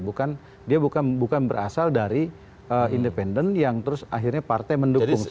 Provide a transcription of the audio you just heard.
bukan dia bukan berasal dari independen yang terus akhirnya partai mendukung